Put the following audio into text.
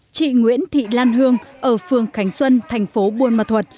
chị nguyễn thị lan hương ở phường khánh xuân thành phố buôn ma thuật